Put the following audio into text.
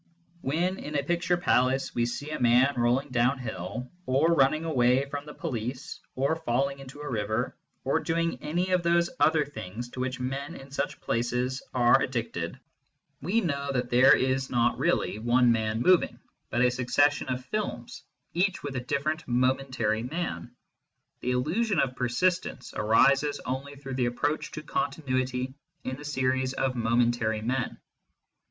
When, in a picture palace, we see a man rolling down hill, or running away from the police, or falling into a river, or doing any of those other things to which men in such places are addicted, we know CONSTITUENTS OF MATTER 129 that there is riot really only one man moving, but a suc cession of films, each with a different momentary man. The illusion of persistence arises only through the ap proach to continuity in the series of momentary men.